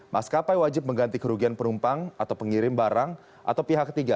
maskapai wajib mengganti kerugian penumpang atau pengirim barang atau pihak ketiga